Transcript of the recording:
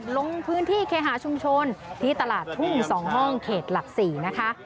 ลงพื้นที่เคหาชุมชนที่ตลาดทุ่ง๒ห้องเขตหลัก๔นะคะ